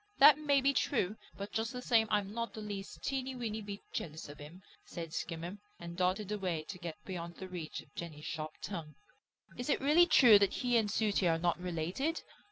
"That may be true, but just the same I'm not the least teeny weeny bit jealous of him," said Skimmer, and darted away to get beyond the reach of Jenny's sharp tongue. "Is it really true that he and Sooty are not related?"